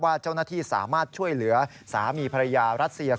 เจ้าหน้าที่สามารถช่วยเหลือสามีภรรยารัสเซีย